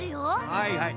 はいはい。